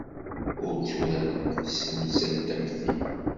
Ur tturaremt s temsal am ti.